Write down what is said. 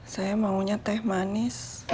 saya maunya teh manis